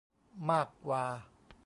มากกว่า